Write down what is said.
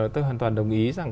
tôi hoàn toàn đồng ý rằng